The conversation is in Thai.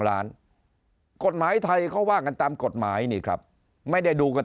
ล้านกฎหมายไทยเขาว่ากันตามกฎหมายนี่ครับไม่ได้ดูกัน